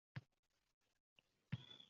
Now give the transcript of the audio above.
Yana tag’in tikilib qarashlarini-chi!